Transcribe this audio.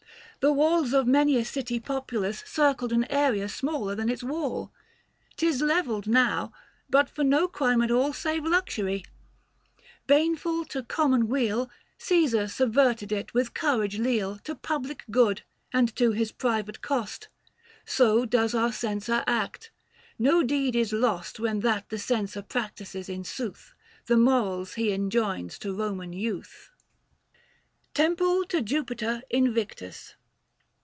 The walls of many a city populous Circled an area smaller than its wall. Tis levelled now, but for no crime at all Save luxury. Baneful to common weal, Caesar subverted it with courage leal To public good, and to his private cost. So does our Censor act ; no deed is lost When that the Censor practises in sooth The morals he enjoins to Roman youth. 775 780 IDES JUN. TEMPLE TO JUPITER INVICTUS.